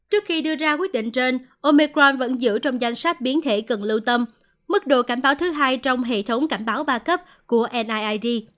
trước khi đưa ra quyết định trên omecron vẫn giữ trong danh sách biến thể cần lưu tâm mức độ cảnh báo thứ hai trong hệ thống cảnh báo ba cấp của niid